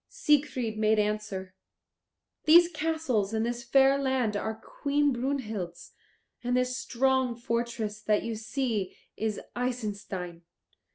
Siegfried made answer, "These castles and this fair land are Queen Brunhild's and this strong fortress that you see is Isenstein.